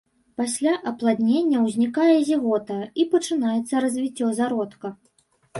Пасля апладнення ўзнікае зігота і пачынаецца развіццё зародка.